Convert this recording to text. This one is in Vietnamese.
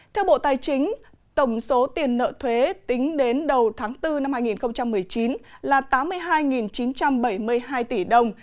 theo bộ tài chính tổng số tiền nợ thuế tính đến đầu tháng bốn năm hai nghìn một mươi chín là tám mươi hai chín trăm bảy mươi hai tỷ đồng